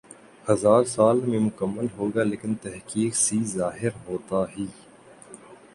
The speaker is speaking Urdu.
ہزا ر سال میں مکمل ہوگا لیکن تحقیق سی ظاہر ہوتا ہی